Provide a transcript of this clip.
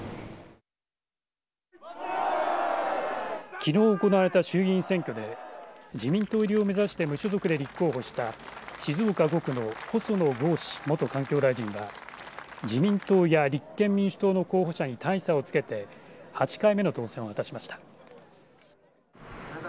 きのう行われた衆議院選挙で自民党入りを目指して無所属で立候補した静岡５区の細野豪志元環境大臣は自民党や立憲民主党の候補者に大差をつけて８回目の当選を果たしました。